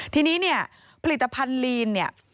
ทีนี้เนี่ยผลิตภัณฑ์ลีนเนี่ย